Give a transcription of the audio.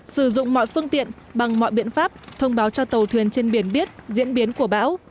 sử dụng mọi phương tiện bằng mọi biện pháp thông báo cho tàu thuyền trên biển biết diễn biến của bão